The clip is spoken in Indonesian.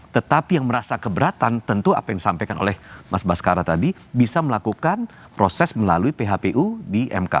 tetapi yang merasa keberatan tentu apa yang disampaikan oleh mas baskara tadi bisa melakukan proses melalui phpu di mk